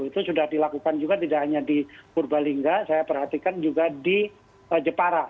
itu sudah dilakukan juga tidak hanya di purbalingga saya perhatikan juga di jepara